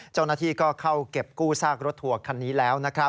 เจ้าหน้าที่ก็เข้าเก็บกู้ซากรถทัวร์คันนี้แล้ว